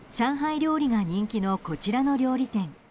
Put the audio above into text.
料理が人気のこちらの料理店。